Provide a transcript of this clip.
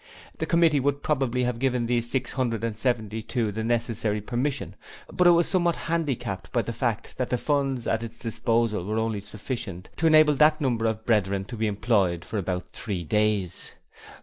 The Committee would probably have given these six hundred and seventy two the necessary permission, but it was somewhat handicapped by the fact that the funds at its disposal were only sufficient to enable that number of Brethren to be employed for about three days.